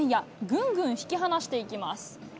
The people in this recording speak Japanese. ぐんぐん引き離していきます。